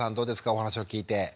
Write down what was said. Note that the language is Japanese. お話を聞いて。